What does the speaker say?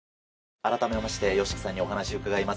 改めましてＹＯＳＨＩＫＩさんにお話を伺います。